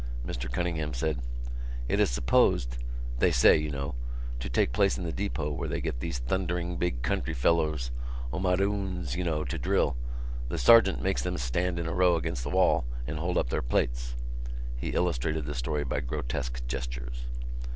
Mr Cunningham said: "It is supposed—they say, you know—to take place in the depot where they get these thundering big country fellows, omadhauns, you know, to drill. The sergeant makes them stand in a row against the wall and hold up their plates." He illustrated the story by grotesque gestures.